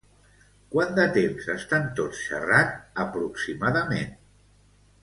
Quant de temps estan tots xerrant aproximadament?